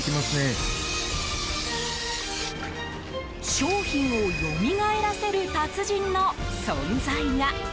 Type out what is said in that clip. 商品をよみがえらせる達人の存在が。